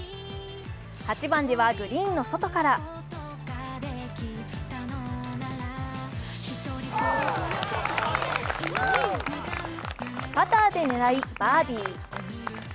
８番ではグリーンの外からパターで狙いバーディー。